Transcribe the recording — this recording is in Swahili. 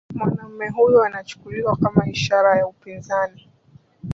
Mwanaume huyu anachukuliwa kama ishara ya upinzani